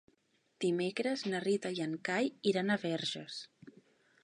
Dimecres na Rita i en Cai iran a Verges.